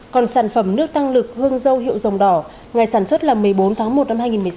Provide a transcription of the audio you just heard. còn sản phẩm nước tăng lực hương dâu hiệu dòng đỏ ngày sản xuất là bốn mươi sáu mg trên một lít